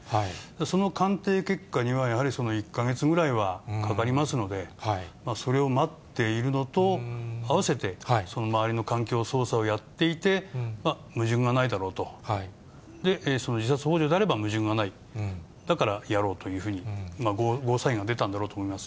その鑑定結果には、やはり１か月ぐらいはかかりますので、それを待っているのと併せて、周りの環境を捜査をやっていて、矛盾がないだろうと、その自殺ほう助であれば、矛盾がない、だからやろうというふうにゴーサインが出たんだろうと思います。